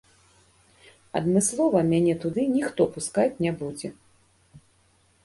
Адмыслова мяне туды ніхто пускаць не будзе.